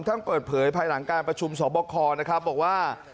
ท่านเปิดเผยภายหลังการประชุมสอบคอนะครับบอกว่า